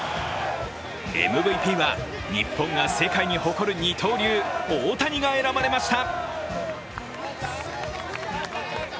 ＭＶＰは日本が世界に誇る二刀流大谷が選ばれました。